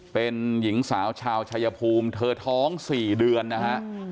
เป็นหญิงสาวชาวชายภูมิเธอท้อง๔เดือนนะฮะ